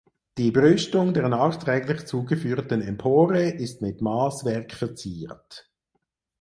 Die Brüstung der nachträglich zugefügten Empore ist mit Maßwerk verziert.